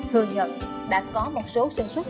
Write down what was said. thừa nhận đã có một số sản xuất